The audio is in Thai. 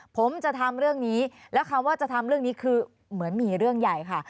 ผมจะทำเรื่องนี้แล้วคำว่าจะทำเรื่องนี้คือเหมือนมีเรื่องใหญ่ค่ะ